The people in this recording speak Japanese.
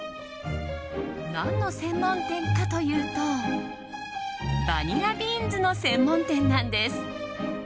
何の専門店かというとバニラビーンズの専門店なんです。